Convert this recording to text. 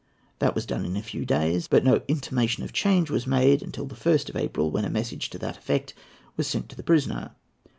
That was done in a few days; but no intimation of a change was made until the 1st of April, when a message to that effect was sent to the prisoner.